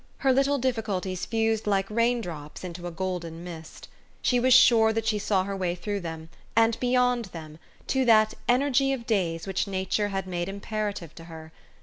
Her little difficulties fused like rain drops into a golden mist. She was sure that she saw her way through them, and beyond them, to that " energy of days" which nature 260 THR STORY OF AVIS. had made imperative to her.